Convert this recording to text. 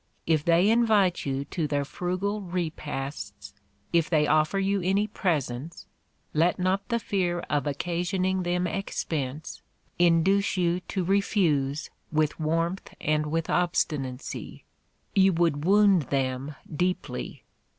If they invite you to their frugal repasts, if they offer you any presents, let not the fear of occasioning them expense, induce you to refuse with warmth, and with obstinacy; you would wound them deeply.